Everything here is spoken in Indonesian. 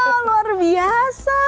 wow luar biasa